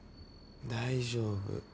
大丈夫。